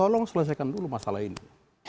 tolong selesaikan dulu masalah ini